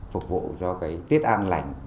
phục vụ cho tiết an lành